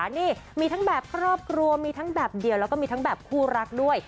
นี่มีทั้งแบบครอบครัวมีทั้งแบบเดียวแล้วก็มีทั้งแบบคู่รักด้วย